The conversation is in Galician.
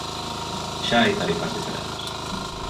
Xa hai tarifas diferentes.